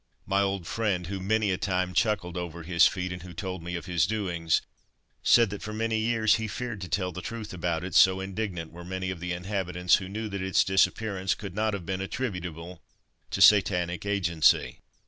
My old friend, who many a time chuckled over his feat, and who told me of his doings, said that for many years he feared to tell the truth about it, so indignant were many of the inhabitants who knew that its disappearance could not have been attributable to satanic agency.